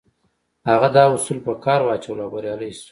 هغه دا اصول په کار واچول او بريالی شو.